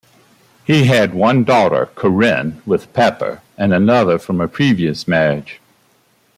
He had one daughter, Corinne, with Pepper, and another from a previous marriage.